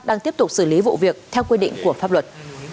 đang tiếp tục xử lý vụ việc theo quy định của pháp luật